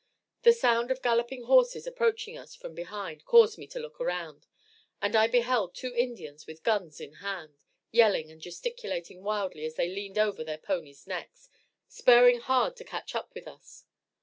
The sound of galloping horses approaching us from behind caused me to look around, and I beheld two Indians with guns in hand, yelling and gesticulating wildly as they leaned over their ponies' necks, spurring hard to catch up with us.